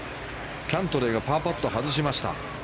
キャントレーがパーパットを外しました。